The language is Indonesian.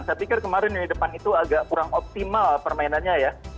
saya pikir kemarin lini depan itu agak kurang optimal permainannya ya